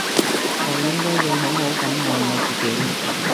我應該要好好噉愛我自己